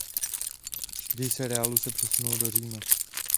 Děj seriálu se přesunul do Říma.